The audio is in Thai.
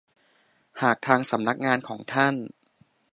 หากทางสำนักงานของท่าน